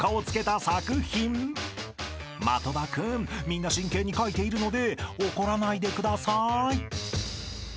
みんな真剣に描いているので怒らないでください］